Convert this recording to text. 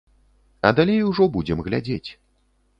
А далей ужо будзем глядзець.